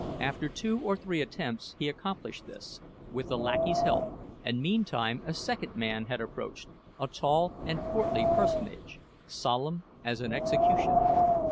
After two or three attempts he accomplished this, with the lackey's help, and meantime a second man had approached, a tall and portly personage, solemn as an executioner.